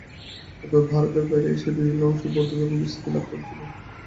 তবে ভারতের বাইরে, এশিয়ার বিভিন্ন অংশে বৌদ্ধধর্ম বিস্তৃতি লাভ করেছিল।